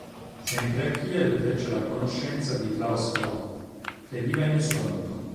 Sempre a Kiel fece la conoscenza di Klaus Groth, che divenne suo amico.